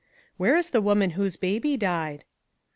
"Where is the woman whose baby died?"